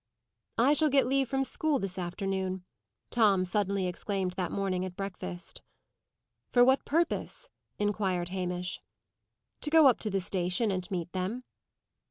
"I shall get leave from school this afternoon," Tom suddenly exclaimed that morning at breakfast. "For what purpose?" inquired Hamish. "To go up to the station and meet them."